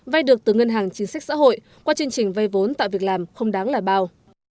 vay được từ ngân hàng chính sách xã hội qua chương trình vay vốn tạo việc làm không đáng là bao